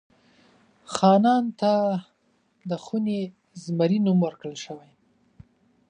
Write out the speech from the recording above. خانان ته د خوني زمري نوم ورکړل شوی.